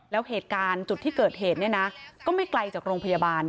แล้วเหตุการณ์จุดที่เกิดเหตุเนี่ยนะก็ไม่ไกลจากโรงพยาบาล